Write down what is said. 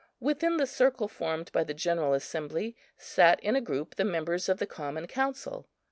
Within the circle formed by the general assembly sat in a group the members of the common council.